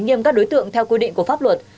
nghiêm các đối tượng theo quy định của pháp luật